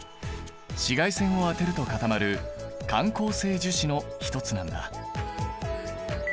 紫外線を当てると固まる感光性樹脂の一つなんだ。